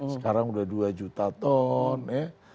sekarang sudah dua juta ton ya